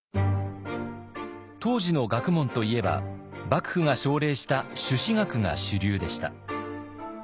当時の学問といえば幕府が奨励した朱子学が主流でした。